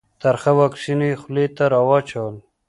ترخه واکسین یې خولې ته راواچول.